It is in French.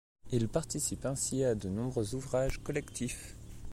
Il participe ainsi à de nombreux ouvrages collectifs.